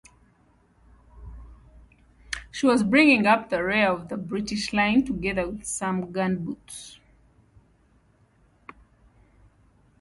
She was bringing up the rear of the British line together with some gunboats.